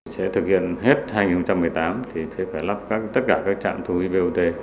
sẽ thực hiện hết hai nghìn một mươi tám thì sẽ phải lắp các tất cả các trạm thu phí bot